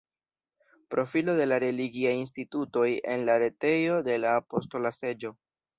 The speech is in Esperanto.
Profilo de la religiaj institutoj en la retejo de la Apostola Seĝo.